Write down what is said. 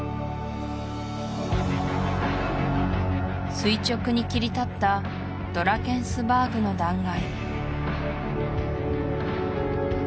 垂直に切り立ったドラケンスバーグの断崖